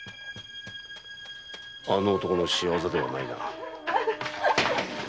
あの男の仕業ではないな。